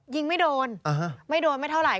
ยิงไม่โดนไม่โดนไม่เท่าไห